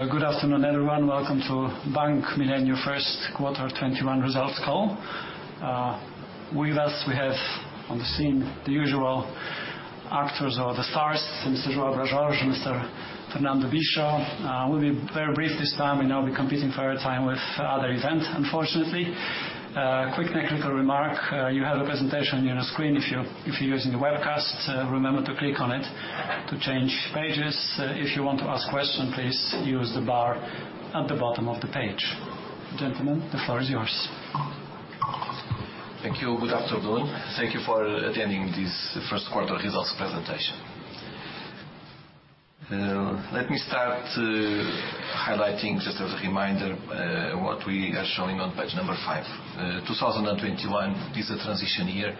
Good afternoon, everyone. Welcome to Bank Millennium first quarter 2021 results call. With us, we have on the scene the usual actors or the stars, Mr. João Brás Jorge, Mr. Fernando Bicho. We'll be very brief this time. We know we're competing for your time with other event, unfortunately. Quick technical remark, you have a presentation on your screen if you're using a webcast. Remember to click on it to change pages. If you want to ask question, please use the bar at the bottom of the page. Gentlemen, the floor is yours. Thank you. Good afternoon. Thank you for attending this first quarter results presentation. Let me start highlighting, just as a reminder, what we are showing on page number five. 2021 is a transition year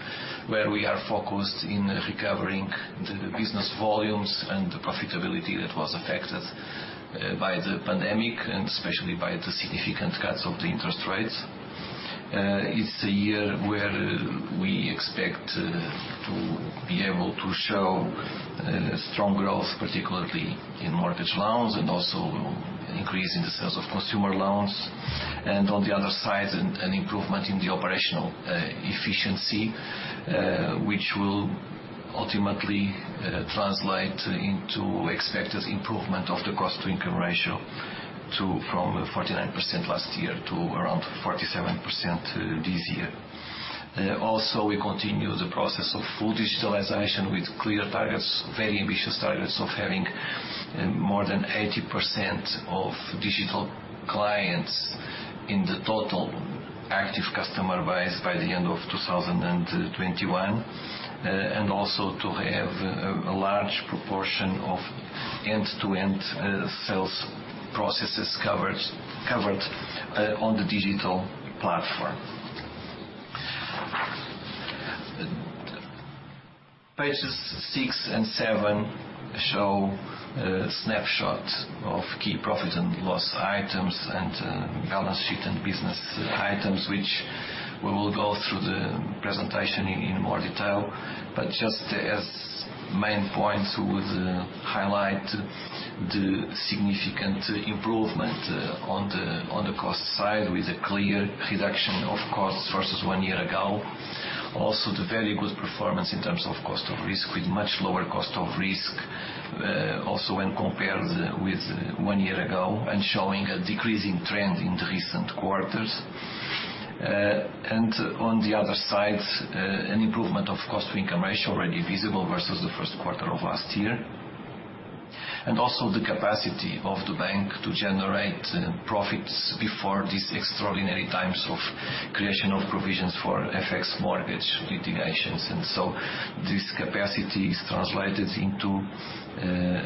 where we are focused in recovering the business volumes and the profitability that was affected by the pandemic and especially by the significant cuts of the interest rates. It's a year where we expect to be able to show strong growth, particularly in mortgage loans and also an increase in the sales of consumer loans, and on the other side, an improvement in the operational efficiency, which will ultimately translate into expected improvement of the cost-to-income ratio from 49% last year to around 47% this year. Also, we continue the process of full digitalization with clear targets, very ambitious targets of having more than 80% of digital clients in the total active customer base by the end of 2021, and also to have a large proportion of end-to-end sales processes covered on the digital platform. Pages six and seven show a snapshot of key profit and loss items and balance sheet and business items, which we will go through the presentation in more detail. Just as main points, we would highlight the significant improvement on the cost side with a clear reduction of costs versus one year ago. Also, the very good performance in terms of cost of risk, with much lower cost of risk also when compared with one year ago and showing a decreasing trend in the recent quarters. On the other side, an improvement of cost-to-income ratio already visible versus the first quarter of last year. Also the capacity of the bank to generate profits before these extraordinary times of creation of provisions for FX mortgage litigations. This capacity is translated into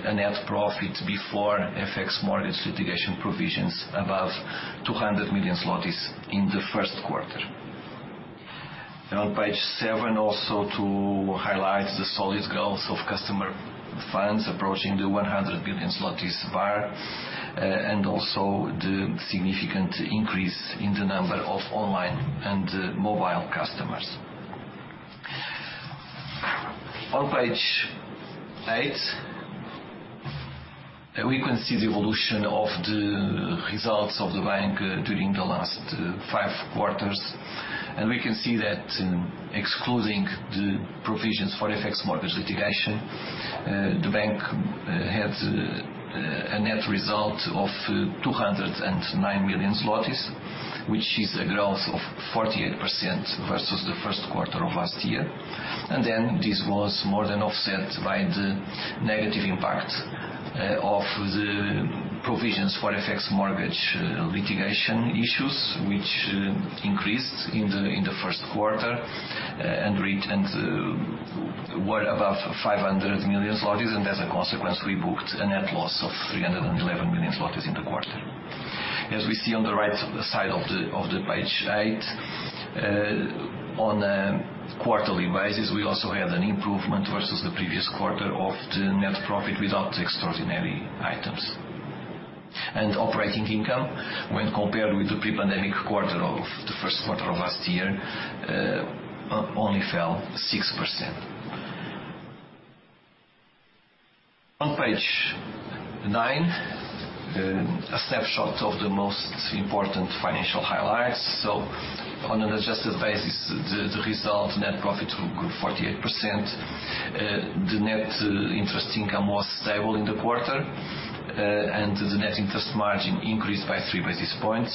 a net profit before FX mortgage litigation provisions above 200 million zlotys in the first quarter. On page seven, also to highlight the solid growth of customer funds approaching the 100 billion zlotys bar and also the significant increase in the number of online and mobile customers. On page eight, we can see the evolution of the results of the bank during the last five quarters. We can see that excluding the provisions for FX mortgage litigation, the bank had a net result of 209 million zlotys which is a growth of 48% versus the first quarter of last year. This was more than offset by the negative impact of the provisions for FX mortgage litigations, which increased in the first quarter and were above 500 million zlotys, and as a consequence, we booked a net loss of 311 million zlotys in the quarter. As we see on the right side of page eight, on a quarterly basis, we also had an improvement versus the previous quarter of the net profit without extraordinary items. Operating income, when compared with the pre-pandemic quarter of the first quarter of last year, only fell 6%. On page nine, a snapshot of the most important financial highlights. On an adjusted basis, the result net profit grew 48%. The net interest income was stable in the quarter, and the net interest margin increased by three basis points.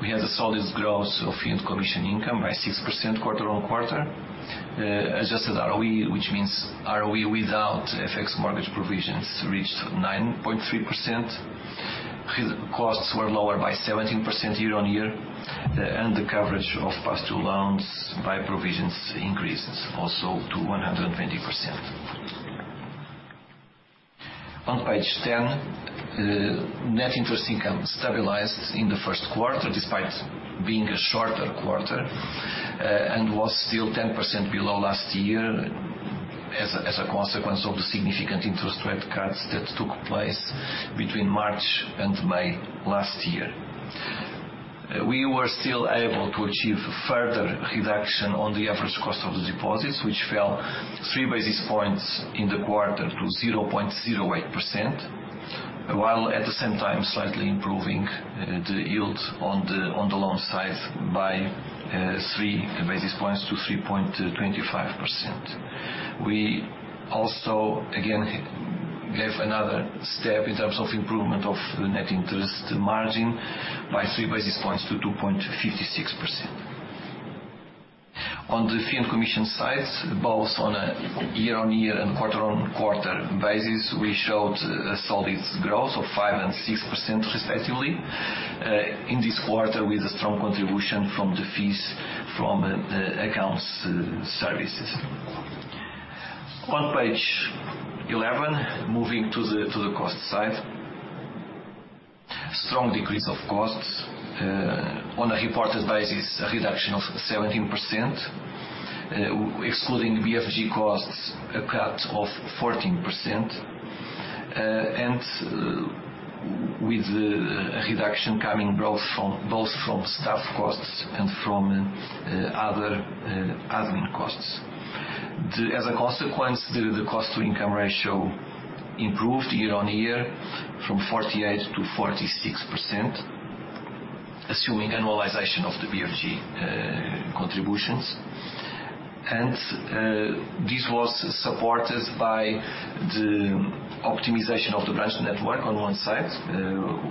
We had a solid growth of fee and commission income by 6% quarter-on-quarter. Adjusted ROE, which means ROE without FX mortgage provisions, reached 9.3%. Risk costs were lower by 17% year-on-year. The coverage of past due loans by provisions increased also to 120%. On page 10, net interest income stabilized in the first quarter, despite being a shorter quarter, and was still 10% below last year as a consequence of the significant interest rate cuts that took place between March and May last year. We were still able to achieve further reduction on the average cost of the deposits, which fell three basis points in the quarter to 0.08%, while at the same time slightly improving the yield on the loan size by three basis points to 3.25%. We also, again, gave another step in terms of improvement of the net interest margin by three basis points to 2.56%. On the fee and commission sides, both on a year-on-year and quarter-on-quarter basis, we showed a solid growth of 5% and 6% respectively in this quarter, with a strong contribution from the fees from the accounts services. On page 11, moving to the cost side. Strong decrease of costs. On a reported basis, a reduction of 17%, excluding the BFG costs, a cut of 14%, with a reduction coming both from staff costs and from other admin costs. As a consequence, the cost-to-income ratio improved year-on-year from 48%-46%, assuming annualization of the BFG contributions. This was supported by the optimization of the branch network on one side,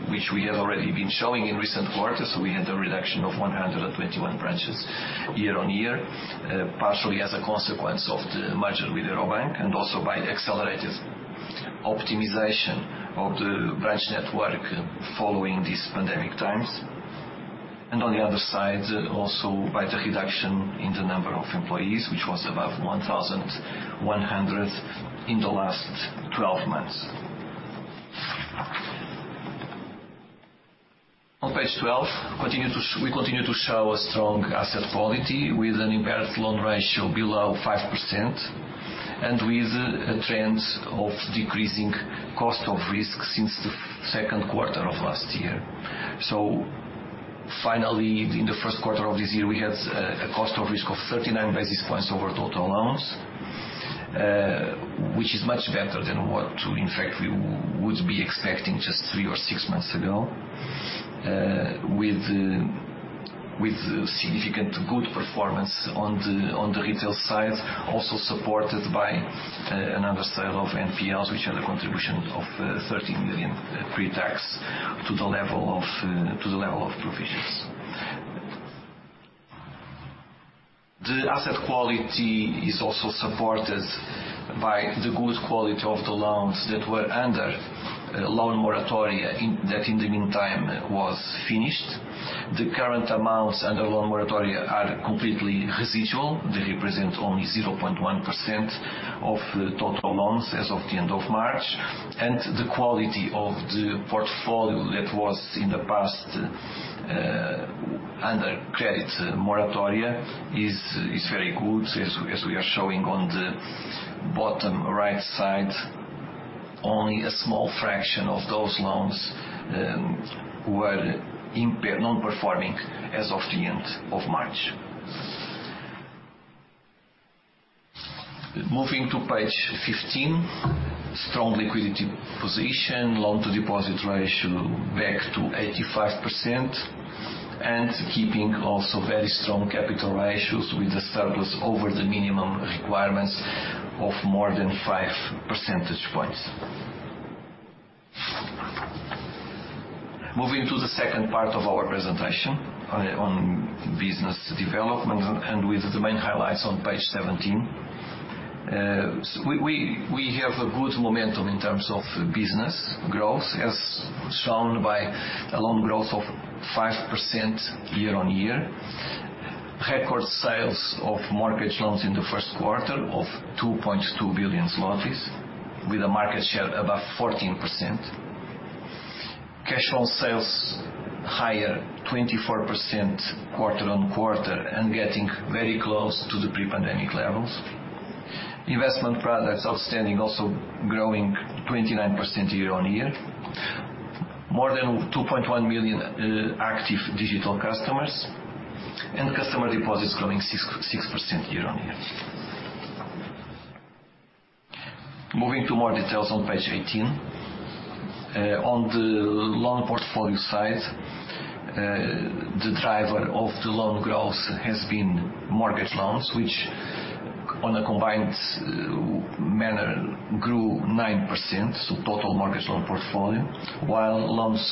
which we have already been showing in recent quarters. We had a reduction of 121 branches year-on-year, partially as a consequence of the merger with Euro Bank and also by accelerated optimization of the branch network following these pandemic times. On the other side, also by the reduction in the number of employees, which was above 1,100 in the last 12 months. On page 12, we continue to show a strong asset quality with an impaired loan ratio below 5% and with a trend of decreasing cost of risk since the second quarter of last year. Finally, in the first quarter of this year, we had a cost of risk of 39 basis points over total loans, which is much better than what in fact we would be expecting just three or six months ago, with significant good performance on the retail side, also supported by an unwinding of NPLs, which had a contribution of 13 million pre-tax to the level of provisions. The asset quality is also supported by the good quality of the loans that were under loan moratoria that in the meantime was finished. The current amounts under loan moratoria are completely residual. They represent only 0.1% of total loans as of the end of March, and the quality of the portfolio that was in the past under credit moratoria is very good, as we are showing on the bottom right side. Only a small fraction of those loans were non-performing as of the end of March. Moving to page 15. Strong liquidity position, loan-to-deposit ratio back to 85% and keeping also very strong capital ratios with a surplus over the minimum requirements of more than five percentage points. Moving to the second part of our presentation on business development and with the main highlights on page 17. We have a good momentum in terms of business growth, as shown by a loan growth of 5% year-on-year. Record sales of mortgage loans in the first quarter of 2.2 billion zlotys, with a market share above 14%. Cash on sales higher, 24% quarter-on-quarter and getting very close to the pre-pandemic levels. Investment products outstanding also growing 29% year-on-year. More than 2.1 million active digital customers and customer deposits growing 6% year-on-year. Moving to more details on page 18. On the loan portfolio side, the driver of the loan growth has been mortgage loans, which on a combined manner grew 9%, so total mortgage loan portfolio, while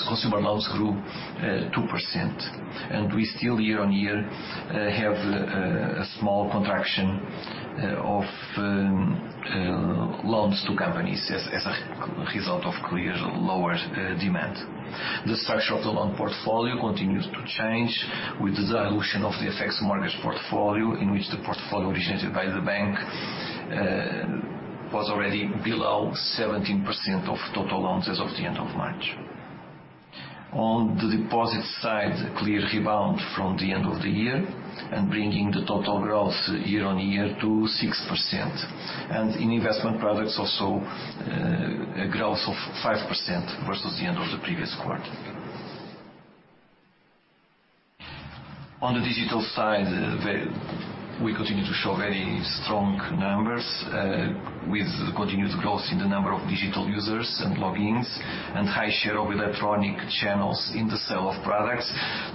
consumer loans grew 2%. We still year-on-year have a small contraction of loans to companies as a result of clear lower demand. The structure of the loan portfolio continues to change with the dilution of the FX mortgage portfolio, in which the portfolio originated by the bank was already below 17% of total loans as of the end of March. On the deposit side, clear rebound from the end of the year and bringing the total growth year-on-year to 6%. In investment products also, a growth of 5% versus the end of the previous quarter. On the digital side, we continue to show very strong numbers with the continued growth in the number of digital users and logins, and high share of electronic channels in the sale of products,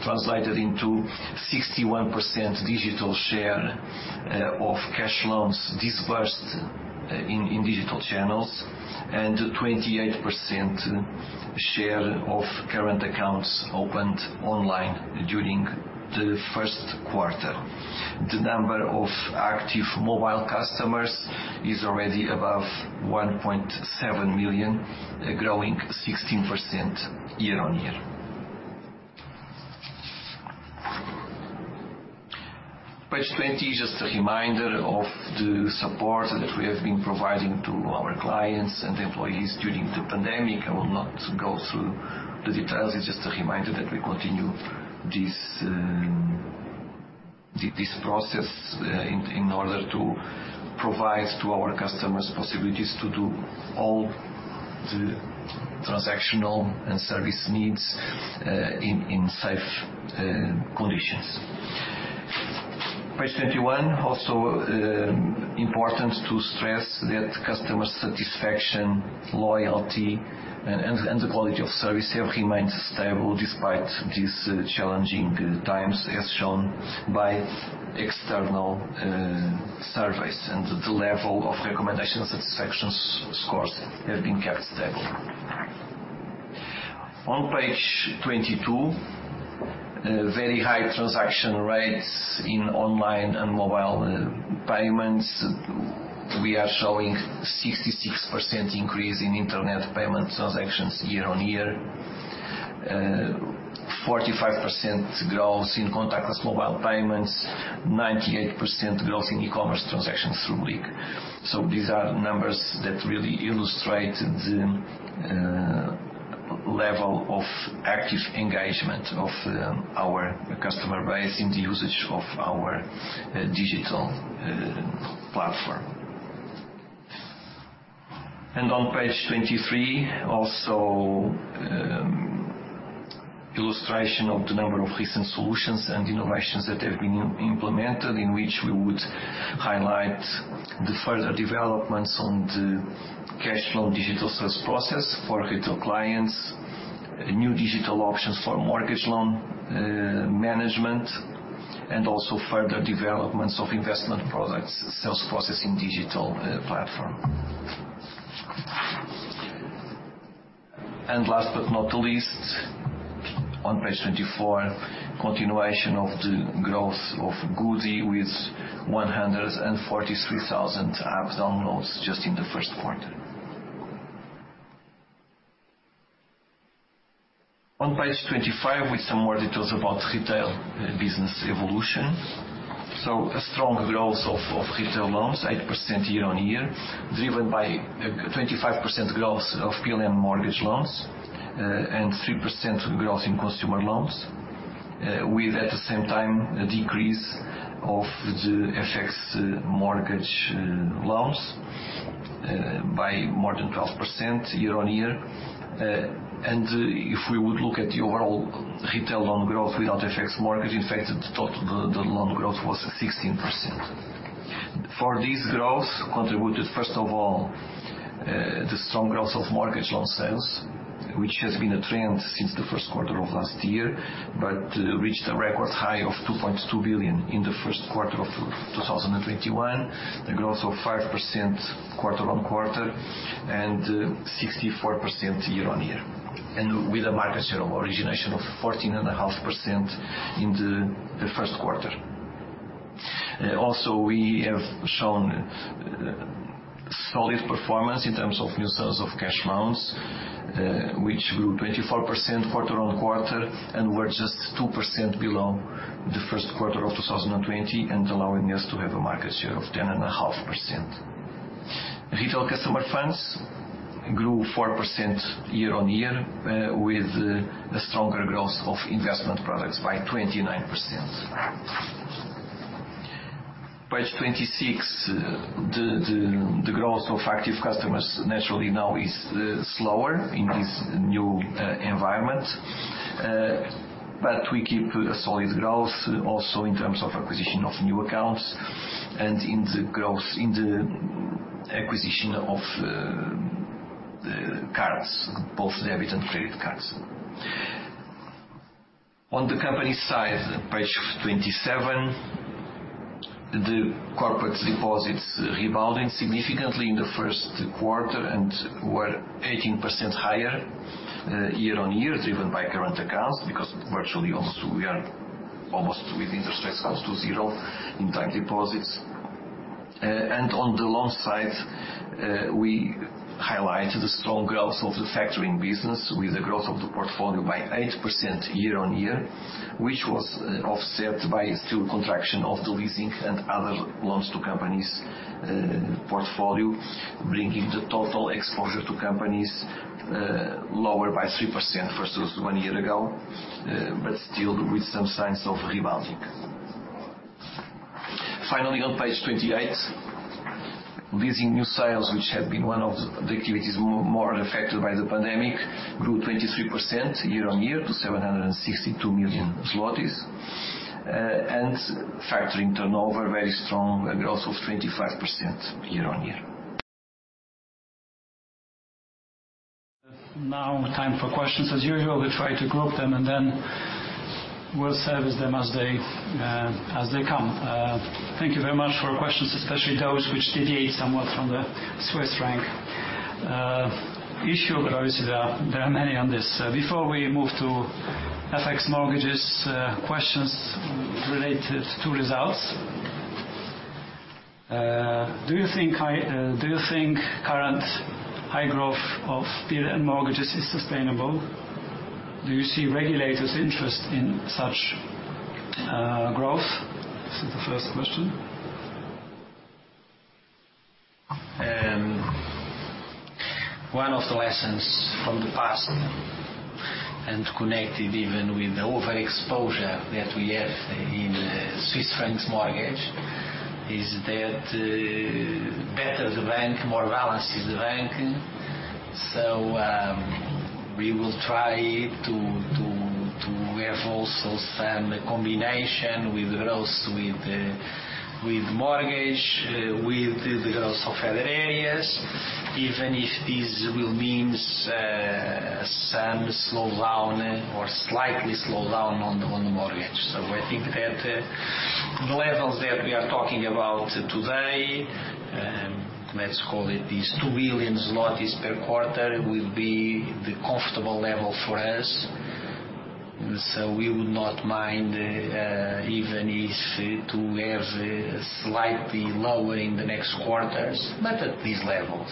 translated into 61% digital share of cash loans disbursed in digital channels, and a 28% share of current accounts opened online during the first quarter. The number of active mobile customers is already above 1.7 million, growing 16% year-on-year. Page 20, just a reminder of the support that we have been providing to our clients and employees during the pandemic. I will not go through the details. It's just a reminder that we continue this process in order to provide to our customers possibilities to do all the transactional and service needs in safe conditions. Page 21, important to stress that customer satisfaction, loyalty, and the quality of service have remained stable despite these challenging times, as shown by external surveys and the level of recommendation satisfaction scores have been kept stable. On page 22, very high transaction rates in online and mobile payments. We are showing 66% increase in internet payment transactions year-on-year, 45% growth in contactless mobile payments, 98% growth in e-commerce transactions through BLIK. These are numbers that really illustrate the level of active engagement of our customer base in the usage of our digital platform. On page 23, also illustration of the number of recent solutions and innovations that have been implemented, in which we would highlight the further developments on the cash loan digital sales process for retail clients, new digital options for mortgage loan management, and also further developments of investment products sales process in digital platform. Last but not least, on page 24, continuation of the growth of goodie with 143,000 app downloads just in the first quarter. On page 25, with some more details about retail business evolution. A strong growth of retail loans, 8% year-on-year, driven by a 25% growth of PLN mortgage loans and 3% growth in consumer loans, with at the same time a decrease of the FX mortgage loans by more than 12% year-on-year. If we would look at the overall retail loan growth without FX mortgage, in fact, the total loan growth was 16%. For this growth contributed, first of all, the strong growth of mortgage loan sales, which has been a trend since the first quarter of last year, but reached a record high of 2.2 billion in the first quarter of 2021, a growth of 5% quarter-on-quarter and 64% year-on-year. With a market share origination of 14.5% in the first quarter. Also, we have shown solid performance in terms of new sales of cash loans, which grew 24% quarter-on-quarter and were just 2% below the first quarter of 2020 and allowing us to have a market share of 10.5%. Retail customer funds grew 4% year-on-year with a stronger growth of investment products by 29%. Page 26, the growth of active customers naturally now is slower in this new environment, but we keep a solid growth also in terms of acquisition of new accounts and in the acquisition of cards, both debit and credit cards. On the company side, Page 27, the corporate deposits rebounding significantly in the first quarter and were 18% higher year-on-year, driven by current accounts, because virtually we are almost with interest rates close to zero in time deposits. On the loan side, we highlight the strong growth of the factoring business with a growth of the portfolio by 8% year-on-year, which was offset by a small contraction of the leasing and other loans to companies portfolio, bringing the total exposure to companies lower by 3% versus one year ago, but still with some signs of rebounding. Finally, on page 28, leasing new sales, which have been one of the activities more affected by the pandemic, grew 23% year-on-year to 762 million zloty. Factoring turnover very strong, and also 25% year-on-year. Now time for questions. As usual, we try to group them, and then we'll service them as they come. Thank you very much for questions, especially those which deviate somewhat from the Swiss franc issue, but obviously there are many on this. Before we move to FX mortgages questions related to results. Do you think current high growth of PLN mortgage loans is sustainable? Do you see regulators' interest in such growth? This is the first question. One of the lessons from the past and connected even with the overexposure that we have in Swiss franc mortgage is that better the bank, more balanced is the bank. We will try to have also some combination with growth with mortgage, with the growth of other areas, even if this will mean some slowdown or slightly slowdown on the loan mortgage. I think that the levels that we are talking about today, let's call it these 2 billion zlotys per quarter, will be the comfortable level for us. We would not mind even if to have slightly lower in the next quarters, but at these levels.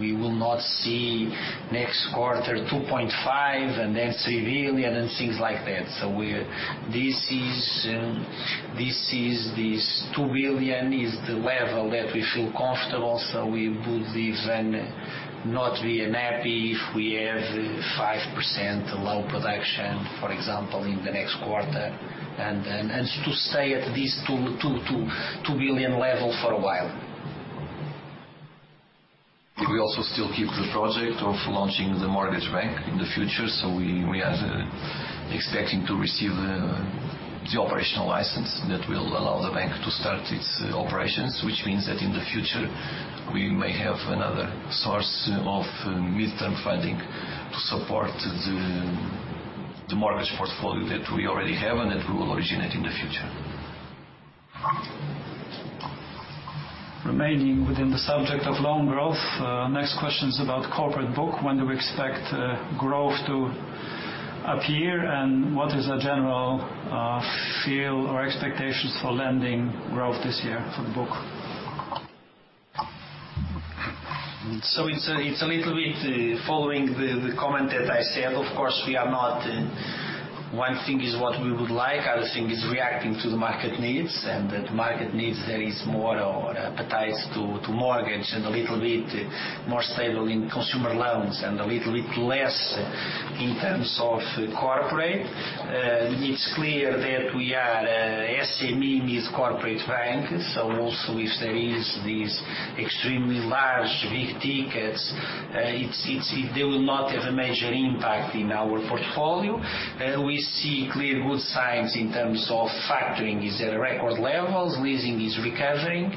We will not see next quarter 2.5 billion and then 3 billion and things like that. This 2 billion is the level that we feel comfortable, so we would even not be unhappy if we have 5% loan production, for example, in the next quarter and to stay at this 2 billion level for a while. We also still keep the project of launching the mortgage bank in the future, so we are expecting to receive the operational license that will allow the bank to start its operations, which means that in the future we may have another source of midterm funding to support the mortgage portfolio that we already have and that we will originate in the future. Remaining within the subject of loan growth, next question is about corporate book. When do we expect growth to appear, and what is the general feel or expectations for lending growth this year for the book? It's a little bit following the comment that I said. One thing is what we would like, other thing is reacting to the market needs and that market needs, there is more appetite to mortgage and a little bit more stable in consumer loans and a little bit less in terms of corporate. It's clear that SME is corporate bank, so also if there is these extremely large big tickets, they will not have a major impact in our portfolio. We see clear good signs in terms of factoring is at record levels, leasing is recovering.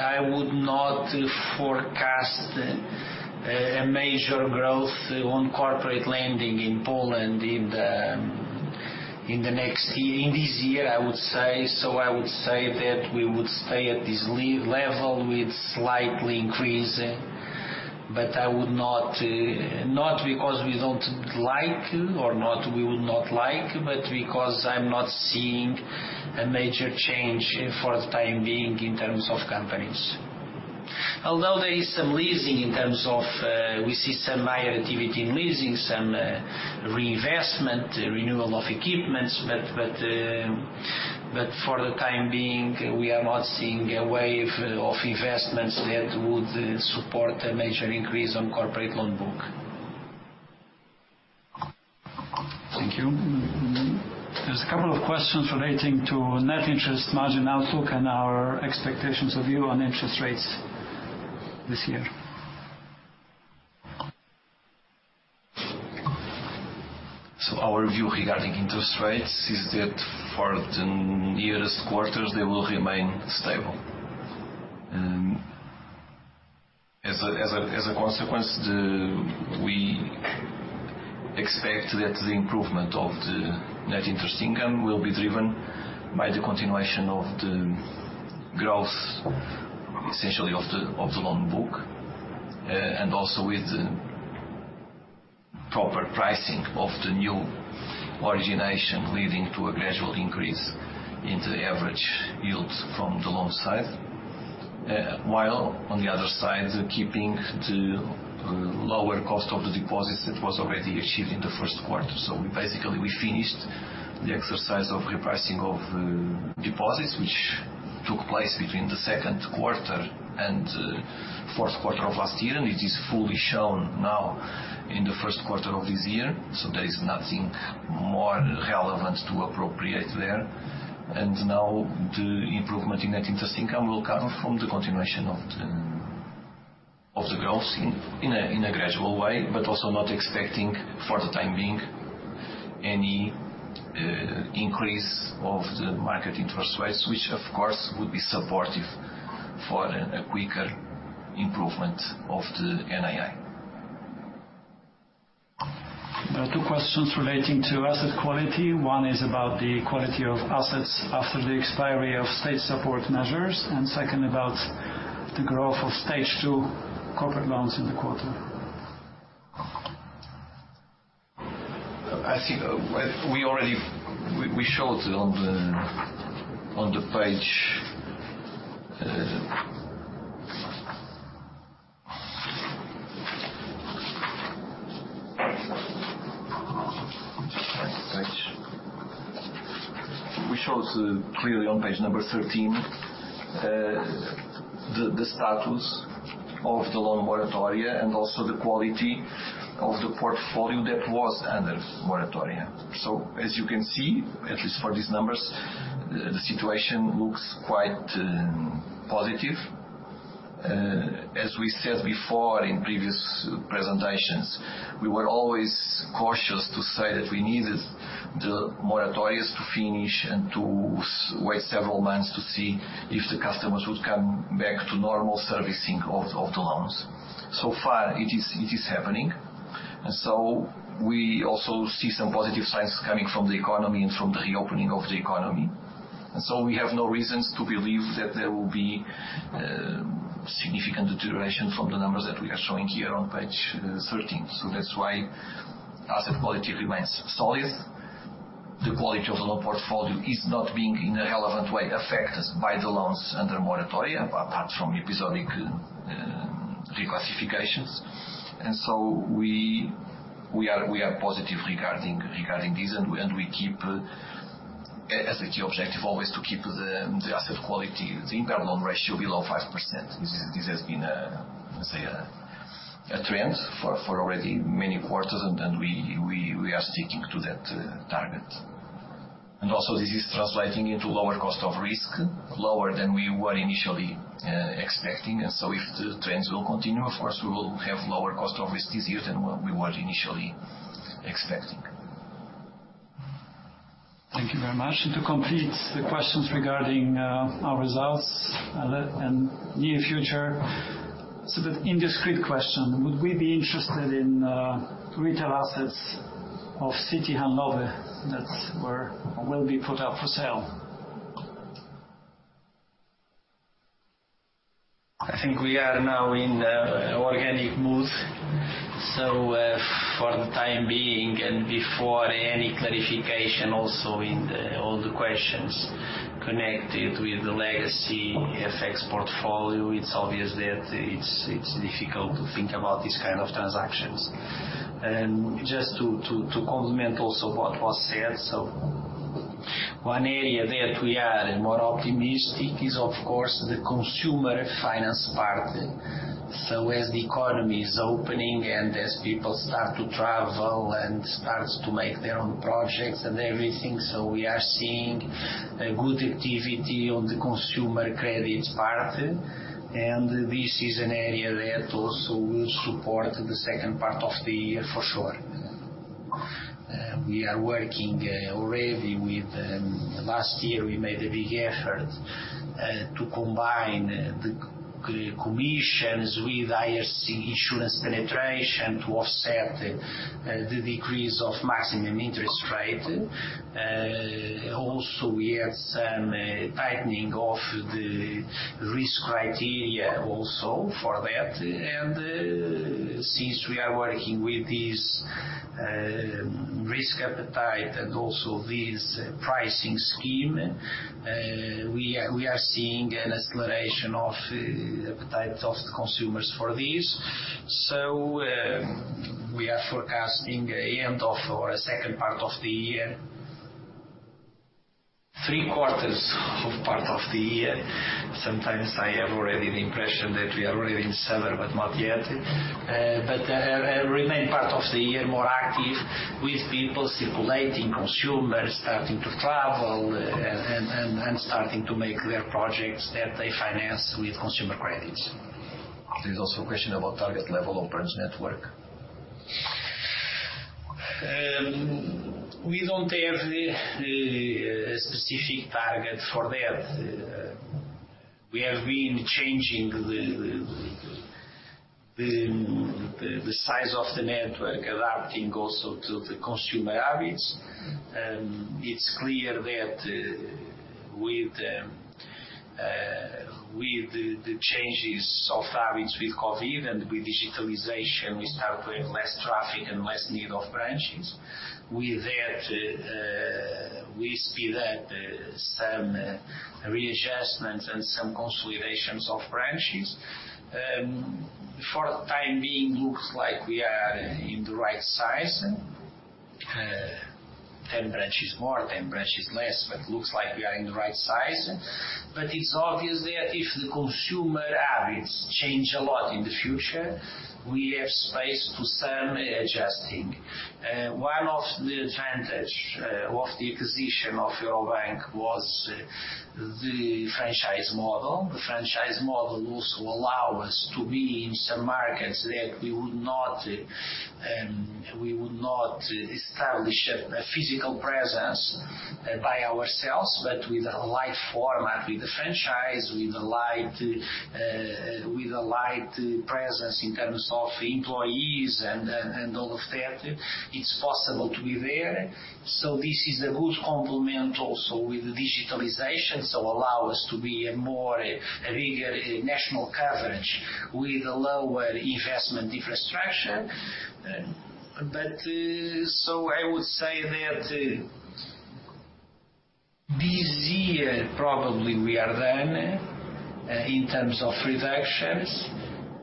I would not forecast a major growth on corporate lending in Poland in this year, I would say. I would say that we would stay at this level with slightly increase. Not because we don't like or not we would not like, but because I'm not seeing a major change for the time being in terms of companies. Although there is some leasing in terms of we see some higher activity in leasing, some reinvestment, renewal of equipment, for the time being, we are not seeing a wave of investments that would support a major increase on corporate loan book. Thank you. There's a couple of questions relating to net interest margin outlook and our expectations of view on interest rates this year. Our view regarding interest rates is that for the nearest quarters they will remain stable. As a consequence, we expect that the improvement of the net interest income will be driven by the continuation of the growth essentially of the loan book and also with the proper pricing of the new origination leading to a gradual increase in the average yield from the loan side. While on the other side, keeping the lower cost of the deposits that was already achieved in the first quarter. Basically, we finished the exercise of repricing of deposits which. Took place between the second quarter and fourth quarter of last year, and it is fully shown now in the first quarter of this year. There is nothing more relevant to appropriate there. Now the improvement in net interest income will come from the continuation of the growth in a gradual way, but also not expecting, for the time being, any increase of the market interest rates, which of course would be supportive for a quicker improvement of the NII. There are two questions relating to asset quality. One is about the quality of assets after the expiry of state support measures, and second, about the growth of Stage 2 corporate loans in the quarter. I think we showed clearly on page number 13, the status of the loan moratoria and also the quality of the portfolio that was under moratoria. As you can see, at least for these numbers, the situation looks quite positive. As we said before in previous presentations, we were always cautious to say that we needed the moratoria to finish and to wait several months to see if the customers would come back to normal servicing of the loans. Far it is happening, we also see some positive signs coming from the economy and from the reopening of the economy. We have no reasons to believe that there will be significant deterioration from the numbers that we are showing here on page 13. That's why asset quality remains solid. The quality of the loan portfolio is not being, in a relevant way, affected by the loans under moratoria, apart from episodic reclassifications. We are positive regarding this, and we keep as a key objective always to keep the asset quality, the impaired loan ratio below 5%. This has been a trend for already many quarters, and we are sticking to that target. Also, this is translating into lower cost of risk, lower than we were initially expecting. If the trends will continue, of course, we will have lower cost of risk this year than what we were initially expecting. Thank you very much. To complete the questions regarding our results and near future, it's a bit indiscreet question. Would we be interested in retail assets of Citi Handlowy that will be put up for sale? I think we are now in organic mood. For the time being and before any clarification also in all the questions connected with the legacy FX portfolio, it is obvious that it is difficult to think about these kind of transactions. Just to complement also what was said. One area that we are more optimistic is, of course, the consumer finance part. As the economy is opening and as people start to travel and start to make their own projects and everything, so we are seeing a good activity on the consumer credits part. This is an area that also will support the second part of the year for sure. Last year we made a big effort to combine the commissions with higher insurance penetration to offset the decrease of maximum interest rate. We had some tightening of the risk criteria also for that. Since we are working with this risk appetite and also this pricing scheme, we are seeing an acceleration of appetite of consumers for this. We are forecasting end of our second part of the year, three quarters of part of the year. Sometimes I have already the impression that we are already in summer, but not yet. Remain part of the year more active with people circulating, consumers starting to travel and starting to make their projects that they finance with consumer credits. There's also a question about target level of branch network. We don't have a specific target for that. We have been changing the size of the network, adapting also to the consumer habits. It's clear that with the changes of habits with COVID and with digitalization, we start to have less traffic and less need of branches. With that, we speed up some readjustments and some consolidations of branches. For the time being, looks like we are in the right size, 10 branches more, 10 branches less, but looks like we are in the right size. If the consumer habits change a lot in the future, we have space for some adjusting. One of the advantage of the acquisition of Eurobank was the franchise model. The franchise model also allow us to be in some markets that we would not establish a physical presence by ourselves, but with a light format, with a franchise, with a light presence in terms of employees and all of that, it's possible to be there. This is a good complement also with the digitalization. Allow us to be a bigger national coverage with a lower investment infrastructure. I would say that this year probably we are done in terms of reductions.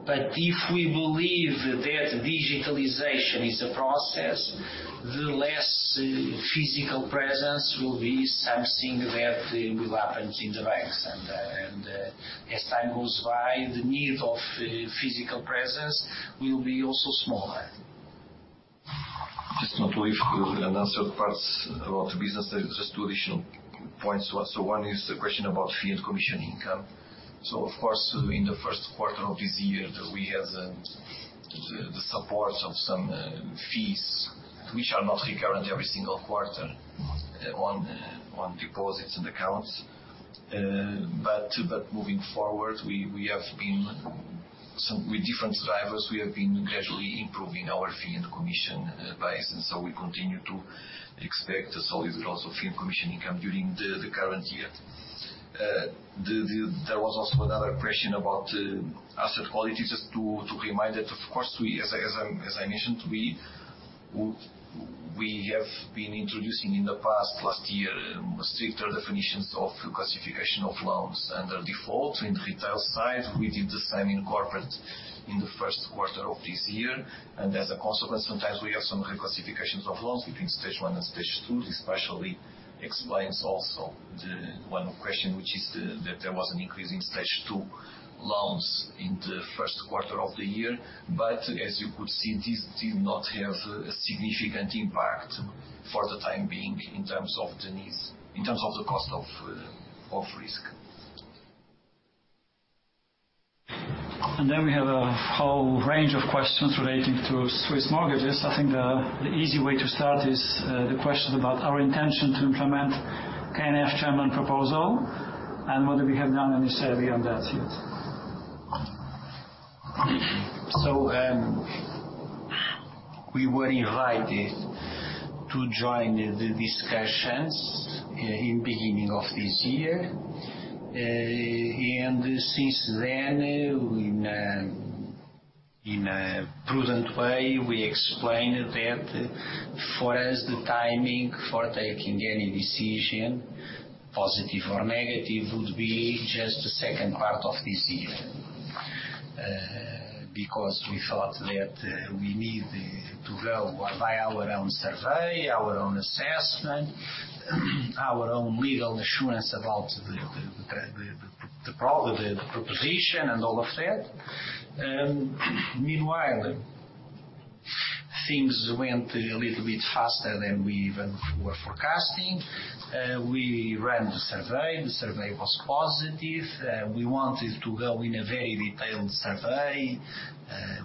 If we believe that digitalization is a process, the less physical presence will be something that will happen in the banks. As time goes by, the need of physical presence will be also smaller. Not to leave unanswered parts about the business, there just two additional points. One is the question about fee and commission income. Of course, in the first quarter of this year, we had the support of some fees which are not recurrent every single quarter on deposits and accounts. Moving forward, with different drivers, we have been gradually improving our fee and commission base, and so we continue to expect a solid growth of fee and commission income during the current year. There was also another question about asset quality. To remind that, of course, as I mentioned, we have been introducing in the past, last year, stricter definitions of classification of loans under default in the retail side. We did the same in corporate in the first quarter of this year. As a consequence, sometimes we have some reclassifications of loans between Stage 1 and Stage 2. This partially explains also the one question, which is that there was an increase in Stage 2 loans in the first quarter of the year. As you could see, this did not have a significant impact for the time being in terms of the cost of risk. We have a whole range of questions relating to Swiss mortgages. I think the easy way to start is the question about our intention to implement KNF chairman proposal and whether we have done any survey on that yet. We were invited to join the discussions in beginning of this year. Since then, in a prudent way, we explained that for us, the timing for taking any decision, positive or negative, would be just the second part of this year. We thought that we need to go by our own survey, our own assessment, our own legal assurance about the proposition and all of that. Things went a little bit faster than we even were forecasting. We ran the survey. The survey was positive. We wanted to go in a very detailed survey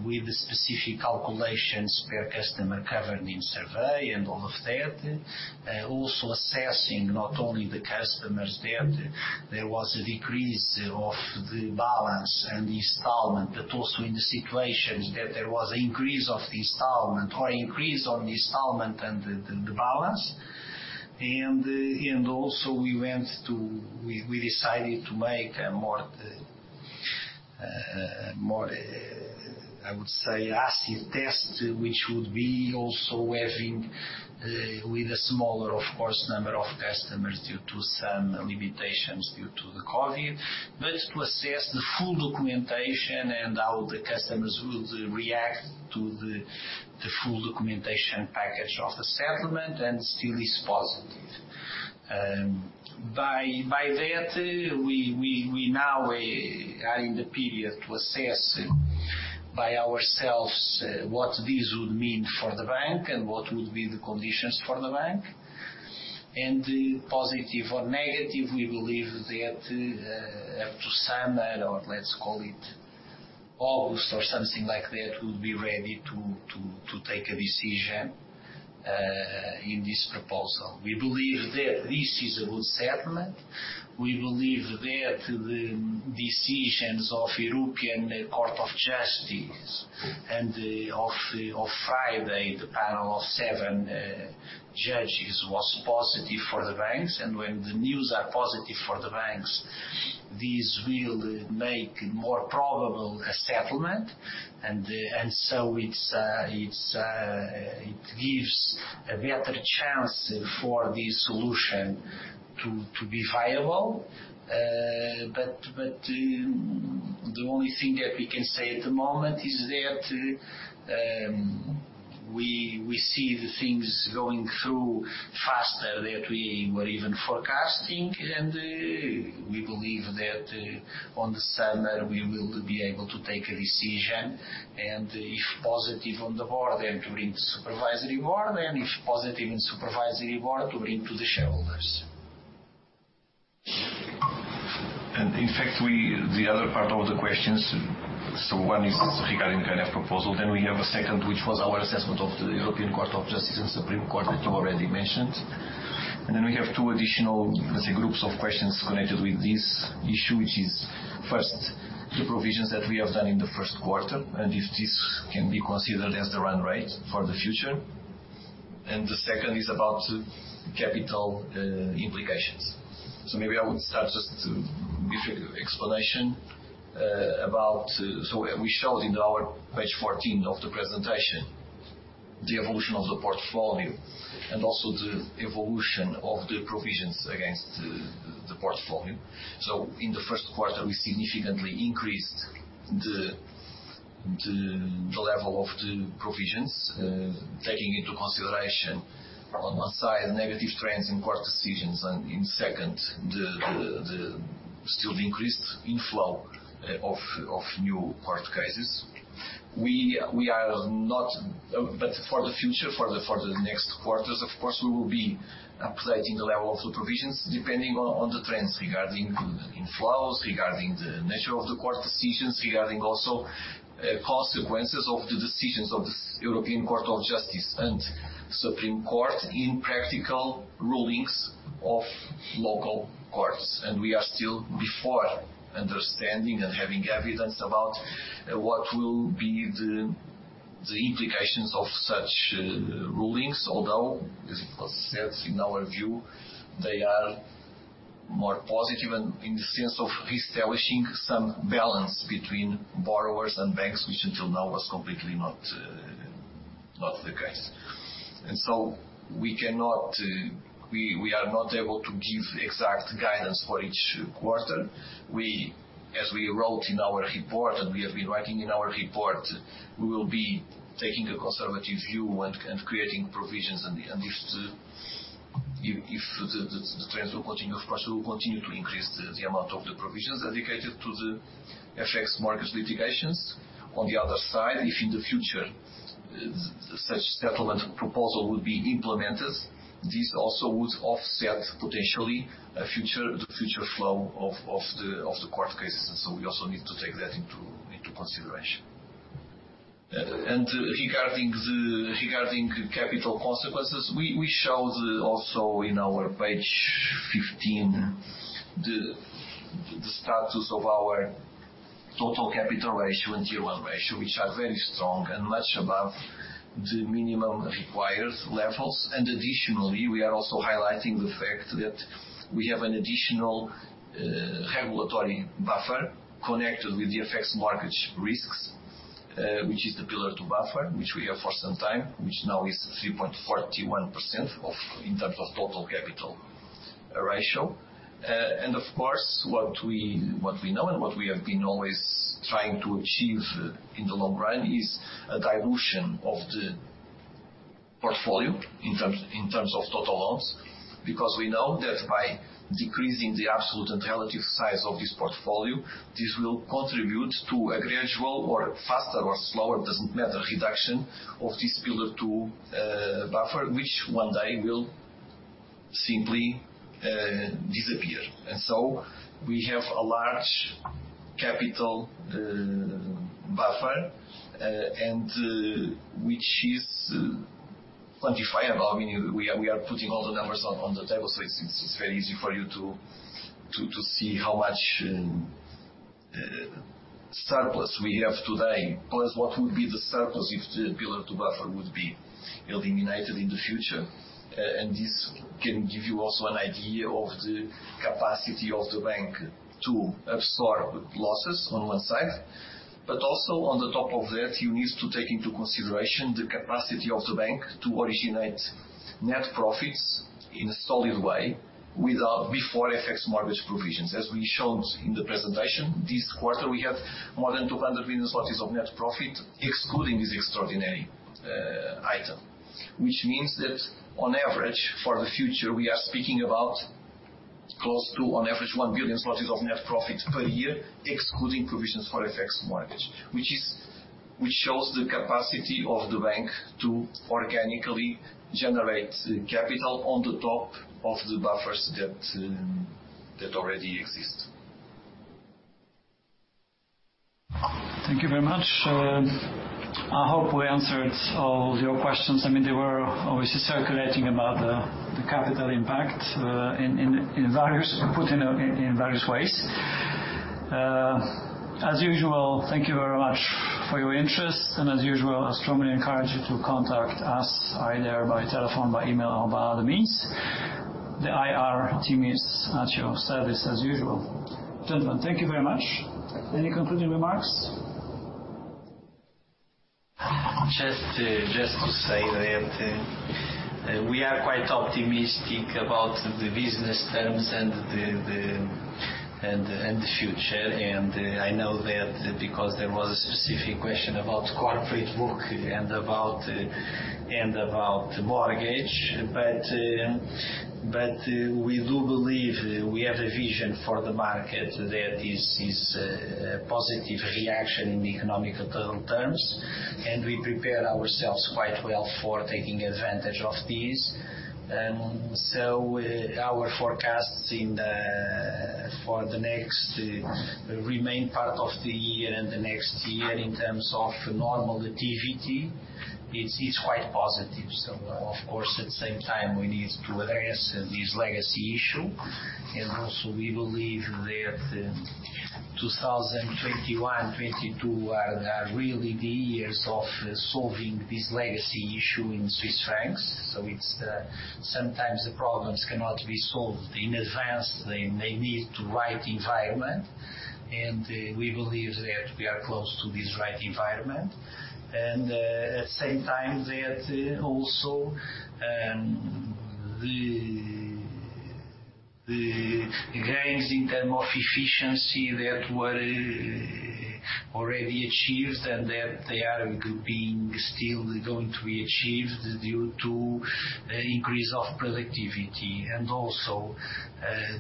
with specific calculations per customer covered in survey and all of that. Also assessing not only the customers that there was a decrease of the balance and installment, but also in the situations that there was an increase of installment or increase on installment and the balance. Also we decided to make a more, I would say acid test, which would be also having with a smaller, of course, number of customers due to some limitations due to the COVID. To assess the full documentation and how the customers would react to the full documentation package of the settlement and still is positive. By that, we now are in the period to assess by ourselves what this would mean for the bank and what would be the conditions for the bank. Positive or negative, we believe that up to summer, or let's call it August or something like that, we'll be ready to take a decision in this proposal. We believe that this is a good settlement. We believe that the decisions of European Court of Justice and of Friday, the panel of seven judges was positive for the banks. When the news are positive for the banks, this will make more probable a settlement, and so it gives a better chance for the solution to be viable. The only thing that we can say at the moment is that. We see the things going through faster than we were even forecasting, and we believe that on the summer, we will be able to take a decision. If positive on the board, then to bring Supervisory Board, and if positive in Supervisory Board, to bring to the shareholders. In fact, the other part of the questions, so one is regarding current proposal, then we have a second, which was our assessment of the European Court of Justice and Supreme Court that you already mentioned. Then we have two additional, let's say, groups of questions connected with this issue, which is first, the provisions that we have done in the first quarter, and if this can be considered as the run rate for the future. The second is about capital implications. Maybe I would start just to give explanation about. We showed in our page 14 of the presentation, the evolution of the portfolio and also the evolution of the provisions against the portfolio. In the first quarter, we significantly increased the level of the provisions, taking into consideration on one side, negative trends in court decisions and in second, still the increased inflow of new court cases. For the future, for the next quarters, of course, we will be updating the level of the provisions depending on the trends regarding inflows, regarding the nature of the court decisions, regarding also consequences of the decisions of the European Court of Justice and Supreme Court in practical rulings of local courts. We are still before understanding and having evidence about what will be the implications of such rulings, although, as it was said, in our view, they are more positive and in the sense of reestablishing some balance between borrowers and banks, which until now was completely not the case. We are not able to give exact guidance for each quarter. As we wrote in our report and we have been writing in our report, we will be taking a conservative view and creating provisions. If the trends will continue, of course, we will continue to increase the amount of the provisions dedicated to the FX mortgage litigations. On the other side, if in the future such settlement proposal would be implemented, this also would offset potentially the future flow of the court cases, we also need to take that into consideration. Regarding capital consequences, we showed also in our page 15 the status of our total capital ratio and Tier 1 ratio, which are very strong and much above the minimum required levels. Additionally, we are also highlighting the fact that we have an additional regulatory buffer connected with the FX mortgage risks, which is the Pillar 2 buffer, which we have for some time, which now is 3.41% in terms of total capital ratio. Of course, what we know and what we have been always trying to achieve in the long run is a dilution of the portfolio in terms of total loans. We know that by decreasing the absolute and relative size of this portfolio, this will contribute to a gradual or faster or slower, doesn't matter, reduction of this Pillar 2 buffer, which one day will simply disappear. We have a large capital buffer, and which is quantifiable, meaning we are putting all the numbers on the table, so it is very easy for you to see how much surplus we have today, plus what would be the surplus if the Pillar 2 buffer would be eliminated in the future. This can give you also an idea of the capacity of the bank to absorb losses on one side. Also on the top of that, you need to take into consideration the capacity of the bank to originate net profits in a solid way before FX mortgage provisions. As we've shown in the presentation, this quarter, we have more than 200 million zlotys of net profit, excluding this extraordinary item, which means that on average, for the future, we are speaking about close to, on average, 1 billion zloty of net profit per year, excluding provisions for FX mortgage. Which shows the capacity of the bank to organically generate capital on the top of the buffers that already exist. Thank you very much. I hope we answered all your questions. They were obviously circulating about the capital impact put in various ways. As usual, thank you very much for your interest. As usual, I strongly encourage you to contact us either by telephone, by email or by other means. The IR team is at your service as usual. Gentlemen, thank you very much. Any concluding remarks? Just to say that we are quite optimistic about the business terms and the future. I know that because there was a specific question about corporate book and about mortgage. We do believe we have a vision for the market that is a positive reaction in the economic terms, and we prepare ourselves quite well for taking advantage of this. Our forecasts for the next remain part of the year and the next year in terms of normal activity, it is quite positive. Of course, at the same time, we need to address this legacy issue. Also we believe that 2021, 2022 are really the years of solving this legacy issue in Swiss francs. Sometimes the problems cannot be solved in advance. They need the right environment, and we believe that we are close to this right environment. At the same time, that also the gains in terms of efficiency that were already achieved and that they are being still going to be achieved due to increase of productivity. Also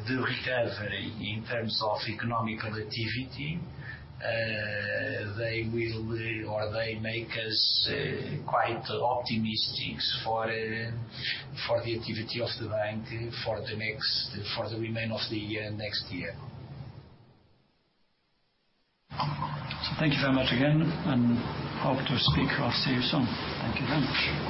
the recovery in terms of economic activity, they will or they make us quite optimistic for the activity of the bank for the remain of the year, next year. Thank you very much again, and hope to speak or see you soon. Thank you very much.